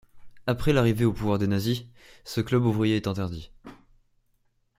Après l’arrivée au pouvoir des Nazis, ce club ouvrier est interdit.